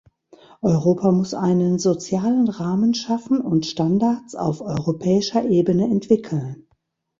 Europa muss einen sozialen Rahmen schaffen und Standards auf europäischer Ebene entwickeln.